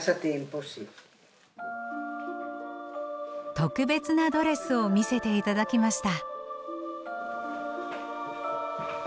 特別なドレスを見せて頂きました。